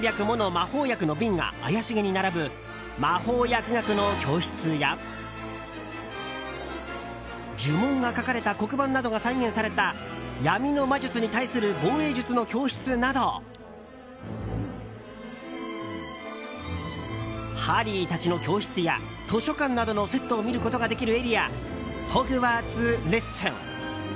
魔法薬の瓶が怪しげに並ぶ魔法薬学の教室や呪文が書かれた黒板などが再現された闇の魔術に対する防衛術の教室などハリーたちの教室や図書館などのセットを見ることができるエリアホグワーツ・レッスン。